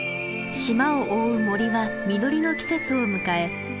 島を覆う森は実りの季節を迎え